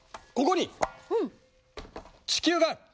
ここに地球がある。